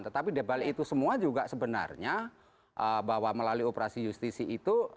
tetapi dibalik itu semua juga sebenarnya bahwa melalui operasi justisi itu